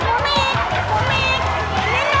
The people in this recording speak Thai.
กูมีกบุมีกบุมีก